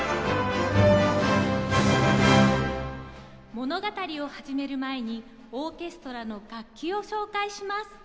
物語を始める前にオーケストラの楽器を紹介します。